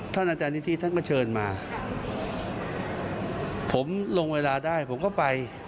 ท่านอาจารย์นิธิท่านก็เชิญมาผมลงเวลาได้ผมก็ไป